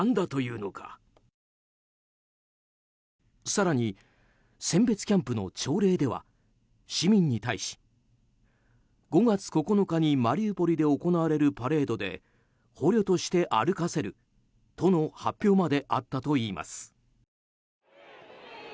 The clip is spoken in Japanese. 更に、選別キャンプの朝礼では市民に対し５月９日にマリウポリで行われるパレードで捕虜として歩かせるとの発表まであったといいます。